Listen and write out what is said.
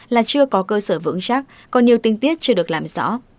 là chưa có cơ sở vững chắc còn nhiều tinh tiết chưa được làm rõ